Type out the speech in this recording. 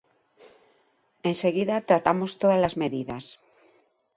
Enseguida tratamos todas as medidas.